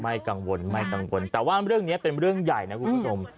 ไม่กังวลไม่กังวลแต่ว่าเรื่องนี้เป็นเรื่องใหญ่นะคุณผู้ชม